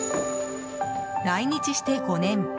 来日して５年。